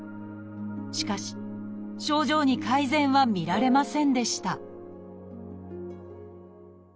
しかし症状に改善は見られませんでした